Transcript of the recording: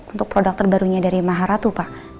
untuk produk terbarunya dari maharatu pak